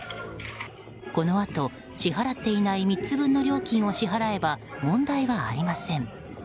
このあと、支払っていない３つ分の料金を支払えば問題はありません。